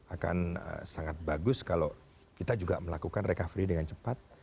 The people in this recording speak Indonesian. akan sangat bagus kalau kita juga melakukan recovery dengan cepat